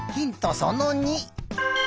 その２。